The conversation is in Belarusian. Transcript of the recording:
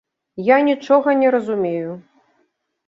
Я нічога не разумею.